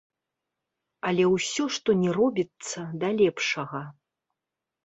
Але ўсё, што ні робіцца, да лепшага.